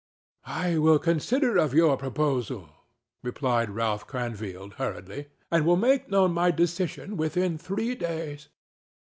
"I will consider of your proposal," replied Ralph Cranfield, hurriedly, "and will make known my decision within three days."